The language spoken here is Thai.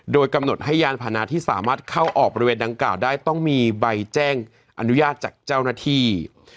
โดยกำหนดให้ยานพานะที่สามารถเข้าออกบริเวณดังกล่าวได้ต้องมีใบแจ้งอนุญาตจากเจ้าหน้าที่